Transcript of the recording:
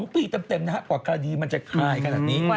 ๒ปีเต็มนะครับกว่าคดีมันจะคลายขนาดนี้